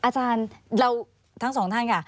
อาจารย์เราทั้งสองท่านค่ะ